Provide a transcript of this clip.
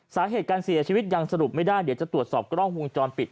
สาเหตุการเสียชีวิตยังสรุปไม่ได้เดี๋ยวจะตรวจสอบกล้องวงจรปิด